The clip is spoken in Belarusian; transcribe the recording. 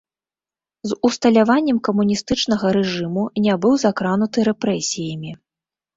З усталяваннем камуністычнага рэжыму не быў закрануты рэпрэсіямі.